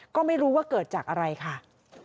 ก็ไม่รู้ว่าเกิดจากอะไรค่ะ